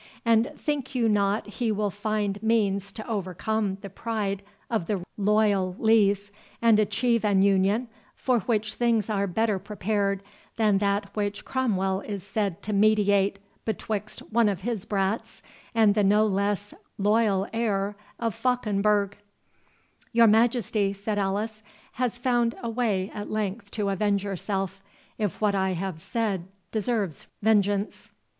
And think you not he will find means to overcome the pride of the loyal Lees, and achieve an union, for which things are better prepared than that which Cromwell is said to meditate betwixt one of his brats and the no less loyal heir of Fauconberg?" "Your Majesty," said Alice, "has found a way at length to avenge yourself—if what I have said deserves vengeance."